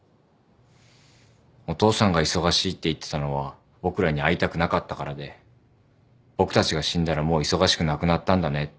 「お父さんが忙しいって言ってたのは僕らに会いたくなかったからで僕たちが死んだらもう忙しくなくなったんだね」